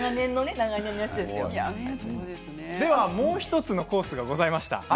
もう１つのコースがございました。